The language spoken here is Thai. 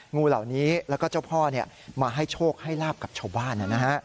งูเหล่านี้แล้วก็เจ้าพ่อมาให้โชคให้ลาบกับชาวบ้าน